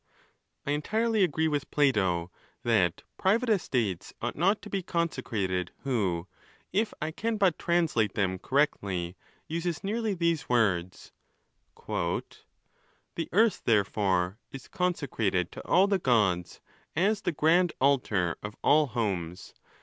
XVIII. I entirely agree with Plato, that private estates ought not to be consecrated, who, if I can but translate them correctly, uses nearly these words: "The earth, therefore, is consecrated to all the gods, as the grand altar of all homes.